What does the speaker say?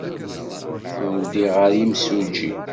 Ur ddiɣ ɣer yimsujji.